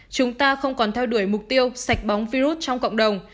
chúng ta không còn theo đuổi mục tiêu sạch bóng virus trong cộng đồng